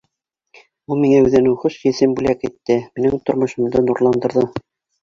Ул миңә үҙенең хуш еҫен бүләк итте, минең тормошдо нурландыртты.